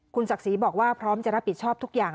คุณศักดิ์ศรีบอกว่าพร้อมจะรับผิดชอบทุกอย่าง